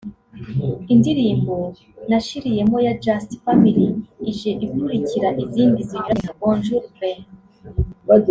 Indirimbo ‘Nashiriyemo ya Just Family ije ikurikira izindi zinyuranye nka; Bonjour bae